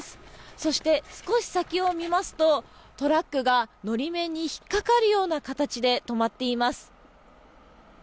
そして、少し先を見ますとトラックが法面に引っかかるような形で止まっています。